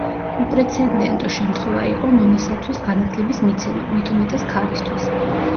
უპრეცენდენტო შემთხვევა იყო მონასათვის განათლების მიცემა, მით უმეტეს, ქალისთვის.